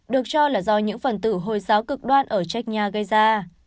được cho là do những phần tử hồi giáo cực đoan ở chechnya gây ra